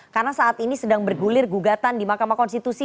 karena saat ini sedang bergulir gugatan di mahkamah konstitusi